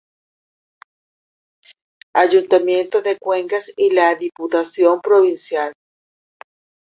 Ayuntamiento de Cuenca y la Diputación Provincial.